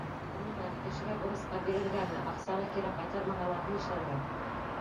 Ғөмүмән, кешегә бурысҡа бирергәме, аҡсаны кире ҡайтармаһалар, ни эшләргә?